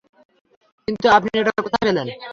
কিন্তু আপনি এটা কোথায় পেলেন?